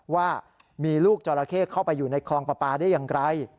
ว่ามีลูกจราเข้เข้าไปอยู่ในคลองปลาปลาได้อย่างไร